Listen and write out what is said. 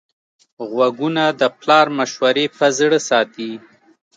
غوږونه د پلار مشورې په زړه ساتي